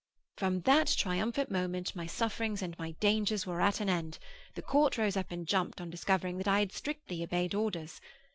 From that triumphant moment my sufferings and my dangers were at an end. The court rose up and jumped, on discovering that I had strictly obeyed orders.